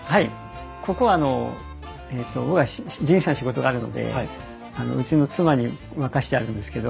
ここはあの僕は人力車の仕事があるのでうちの妻に任せてあるんですけど。